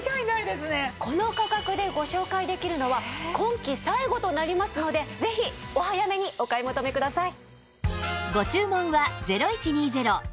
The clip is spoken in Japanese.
この価格でご紹介できるのは今季最後となりますのでぜひお早めにお買い求めください。